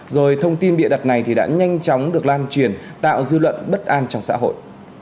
rồi thông tin bịa đặt này thì đã nhanh chóng được lan truyền tạo dư luận bất an trong xã hội